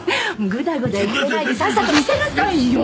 グダグダ言ってないでさっさと見せなさいよ！